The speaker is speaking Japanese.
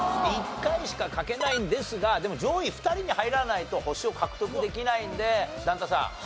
１回しか書けないんですがでも上位２人に入らないと星を獲得できないんで段田さん。